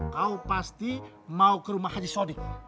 kau pasti mau ke rumah haji sodik